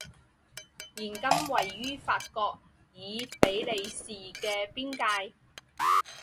现今位于法国与比利时的边界。